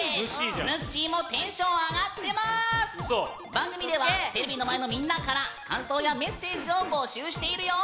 番組ではテレビの前のみんなから感想やメッセージを募集しているよ。